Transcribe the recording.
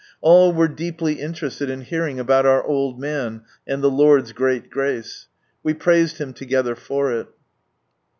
All were deeply interested in hearing about our old man, and the Lord's great grace. We praised Him together for it.